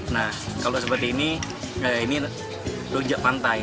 nah kalau seperti ini ini rujak pantai